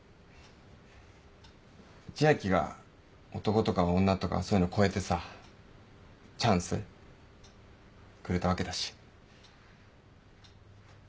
千明が男とか女とかそういうの超えてさチャンスくれたわけだし。